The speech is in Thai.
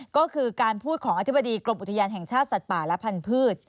ก็คือการพูดของอธิบดีกรมอุทยานแห่งชาติสัตว์ป่าและพันธุ์